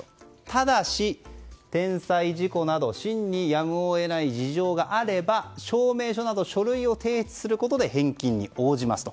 ただし、天災・事故など真にやむを得ない事情があれば証明書など書類を提出することで返金に応じますと。